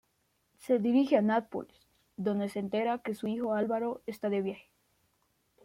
Se dirige a Nápoles, donde se entera que su hijo Álvaro está de viaje.